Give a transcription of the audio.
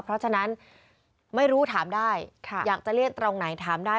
เพราะฉะนั้นไม่รู้ถามได้อยากจะเลี่ยงตรงไหนถามได้